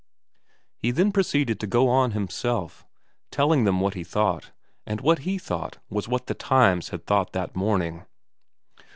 He then proceeded to go on himself, telling them what he thought ; and what he thought was what The Times had thought that morning.